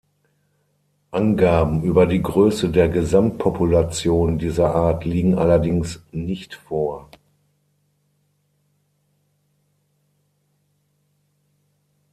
Angaben über die Größe der Gesamtpopulation dieser Art liegen allerdings nicht vor.